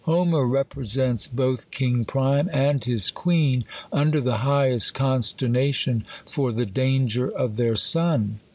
Homer represents both king Priam and his queen under the highest consternation for the dangeY of their son.